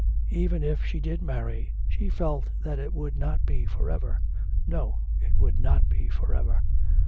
Even if she did marry, she felt that it would not be for ever. No; it would not be for ever.